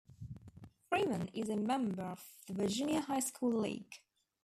Freeman is a member of the Virginia High School League.